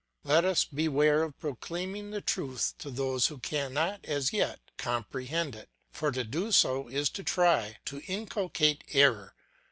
Let us beware of proclaiming the truth to those who cannot as yet comprehend it, for to do so is to try to inculcate error.